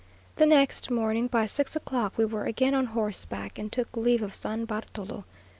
The next morning by six o'clock we were again on horseback, and took leave of San Bartolo.